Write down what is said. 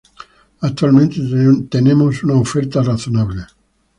Actualmente, tenemos una oferta razonable.